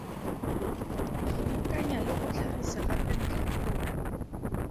Sobokanya le go tlhagisa gape ntlhakgolo.